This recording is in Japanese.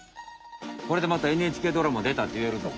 これでまたＮＨＫドラマでたっていえるぞ。